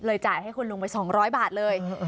จ่ายให้คุณลุงไป๒๐๐บาทเลย